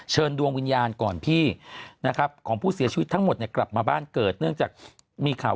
เชิญดวงวิญญาณก่อนพี่นะครับกลับมาบ้านเกิดเงื่องจากมีข่าว